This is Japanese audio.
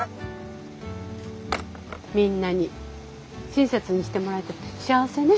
みんなに親切にしてもらえて幸せね。